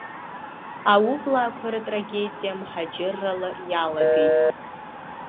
Аублаақәа ртрагедиа мҳаџьыррала иалагеит.